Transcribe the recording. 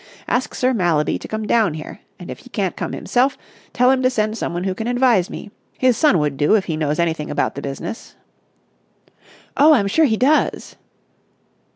Ask Sir Mallaby to come down here. And, if he can't come himself, tell him to send someone who can advise me. His son would do, if he knows anything about the business." "Oh, I'm sure he does!"